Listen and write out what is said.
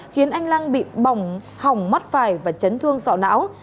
khiến anh lăng bị bỏng hỏng mắt phải và chấn thương sọ não